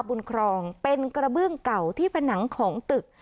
ครองเป็นกระเบื้องเก่าที่ผนังของตึก